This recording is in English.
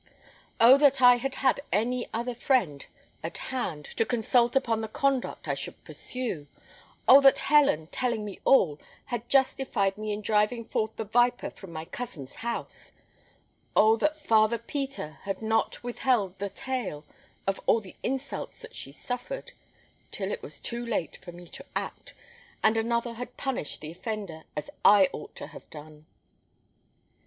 Oh, that I had had any other friend at hand to consult upon the conduct I should pursue! Oh, that Helen, telling me all, had justified me in driving forth the viper from my cousin's house! Oh, that Father Peter had not withheld the tale of all the insults that she suffered, till it was too late for me to act, and another had punished the offender as I ought to have done!"